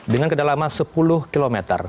dengan kedalaman sepuluh km